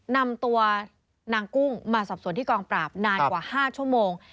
นำตัวนางกุ้งมาสอบสวนที่กองปราบนานกว่า๕ชั่วโมง